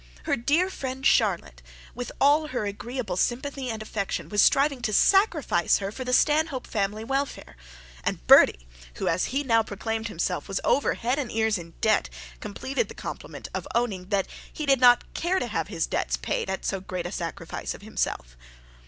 Her dear friend Charlotte, with all her agreeable sympathy and affection, was striving to sacrifice her for the Stanhope family welfare; and Bertie, who, as he now proclaimed himself, was over head and heels in debt, completed the compliment of owning that he did not care to have his debts paid at so great a sacrifice to himself.